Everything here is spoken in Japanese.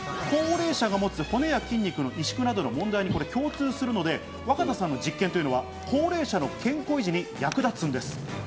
高齢者が持つ骨や筋肉の萎縮などの問題に共通するので、若田さんの実験というのは高齢者の健康維持に役立つんです。